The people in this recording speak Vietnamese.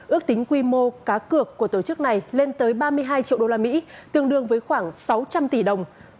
ước tính quy mô cá cược của tổ chức này lên tới ba mươi hai triệu đô la mỹ tương đương với khoảng sáu trăm linh tỷ đồng